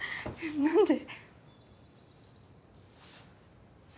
何で？